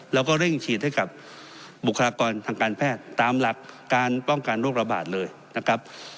เราก็เร่งฉีดให้กับบุคลากรทางการแพทย์ตามหลักการป้องกันโรคระบาดเลยนะครับ